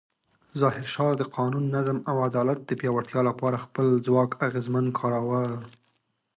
ظاهرشاه د قانون، نظم او عدالت د پیاوړتیا لپاره خپل ځواک اغېزمن کاراوه.